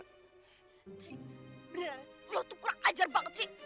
ter beneran lo tuh kurang ajar banget ce